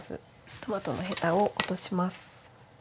トマトのヘタを落とします。